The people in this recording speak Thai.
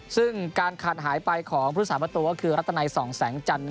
ซึ่งการขาดหายไปของพุทธศาสประตูก็คือรัตนัยส่องแสงจันทร์